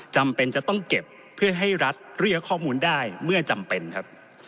จำเป็นจะต้องเก็บเพื่อให้รัฐเรียกข้อมูลได้เมื่อจำเป็นครับ